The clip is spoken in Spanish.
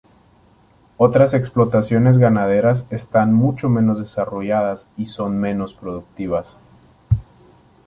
Otras explotaciones ganaderas están mucho menos desarrolladas y son menos productivas.